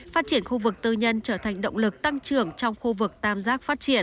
phát triển khu vực tư nhân trở thành động lực tăng trưởng trong khu vực tam giác phát triển